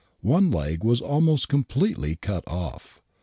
One leg was almcdc completely cut off.